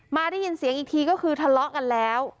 มาได้ยินเสียงอีกทีก็คือทะเลาะกันแล้ว